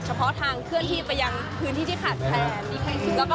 เพาะทางเคลื่อนที่ไปยังพื้นที่ที่ขาดแคลน